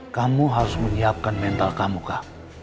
kamu harus menyiapkan mental kamu kak